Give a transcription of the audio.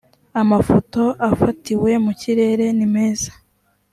amafoto afatiwe mu kirere nimeza